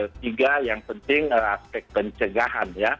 ketiga yang penting aspek pencegahan ya